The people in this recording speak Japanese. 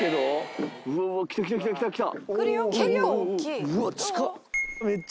うわ近っ